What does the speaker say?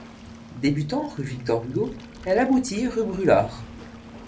Débutant rue Victor Hugo elle abouti rue Brûlart.